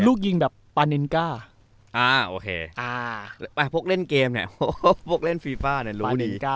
ลูกยิงแบบอ่าโอเคอ่าพวกเล่นเกมเนี้ยโหพวกเล่นเนี้ยรู้ดีรู้ดี